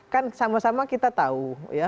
kan sama sama kita tahu ya